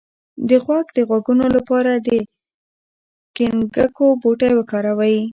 د غوږ د غږونو لپاره د ګینکګو بوټی وکاروئ